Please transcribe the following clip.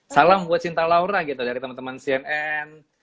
salam buat cinta laura gitu dari teman teman cnn